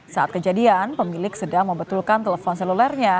saat kejadian pemilik sedang membetulkan telepon selulernya